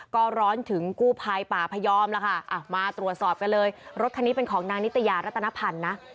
ก็ร้อนถึงกู้ภัยป่าพยอมแล้วค่ะมาตรวจสอบกันเลยรถคันนี้เป็นของนางนิตยารัตนพันธ์นะ